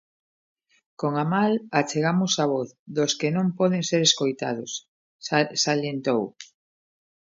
Con Amal achegamos a voz dos que non poden ser escoitados, salientou.